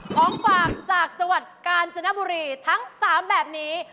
ของฝากจากจังหวัดกาญจนบุรีทั้ง๓แบบนี้